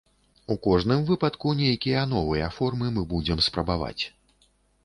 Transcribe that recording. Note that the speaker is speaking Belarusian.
У кожным выпадку нейкія новыя формы мы будзем спрабаваць.